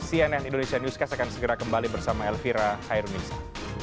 cnn indonesia newscast akan segera kembali bersama elvira hairunisa